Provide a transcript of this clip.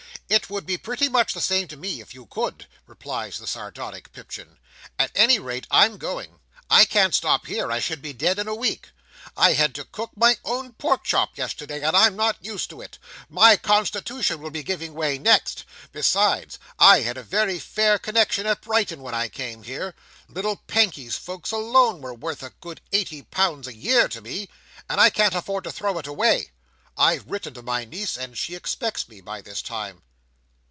"It would be pretty much the same to me, if you could," replies the sardonic Pipchin. "At any rate I'm going. I can't stop here. I should be dead in a week. I had to cook my own pork chop yesterday, and I'm not used to it. My constitution will be giving way next. Besides, I had a very fair connexion at Brighton when I came here—little Pankey's folks alone were worth a good eighty pounds a year to me—and I can't afford to throw it away. I've written to my niece, and she expects me by this time."